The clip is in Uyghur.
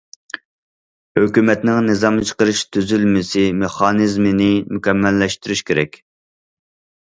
ھۆكۈمەتنىڭ نىزام چىقىرىش تۈزۈلمىسى، مېخانىزمىنى مۇكەممەللەشتۈرۈش كېرەك.